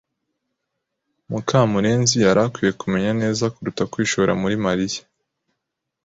Mukamurenzi yari akwiye kumenya neza kuruta kwishora muri Mariya.